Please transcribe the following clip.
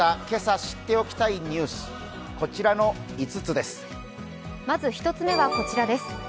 今朝知っておきたいニュースこちらの５つです。